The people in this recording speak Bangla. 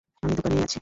আমি দোকানেই আছি।